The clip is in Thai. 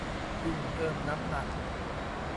ยิ่งเพิ่มน้ำหนัก